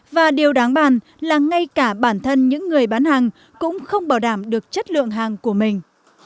và điều đáng bàn là ngay cả bản thân những người bán hàng cũng không bảo đảm được chất lượng hàng của mình